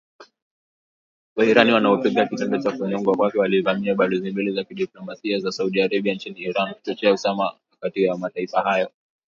Wairani wanaopinga kitendo cha kunyongwa kwake, walivamia balozi mbili za kidiplomasia za Saudi Arabia nchini Iran, kuchochea uhasama kati ya mataifa hayo